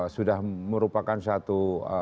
sudah merupakan satu